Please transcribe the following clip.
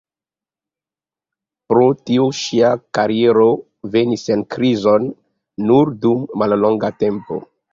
Pro tio ŝia kariero venis en krizon nur dum mallonga tempo.